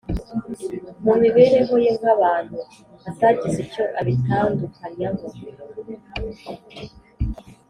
mu mibereho ye nk’abantu, atagize icyo abitandukanyaho